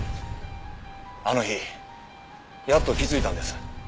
あの日やっと気づいたんです。